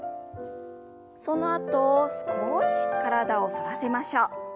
そのあと少し体を反らせましょう。